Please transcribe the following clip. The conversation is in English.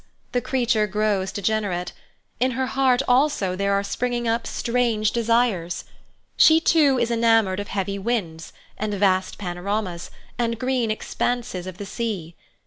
the creature grows degenerate. In her heart also there are springing up strange desires. She too is enamoured of heavy winds, and vast panoramas, and green expanses of the sea.